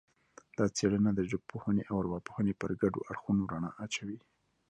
دا څېړنه د ژبپوهنې او ارواپوهنې پر ګډو اړخونو رڼا اچوي